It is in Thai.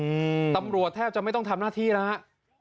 อืมตำรวจแทบจะไม่ต้องทำหน้าที่แล้วฮะ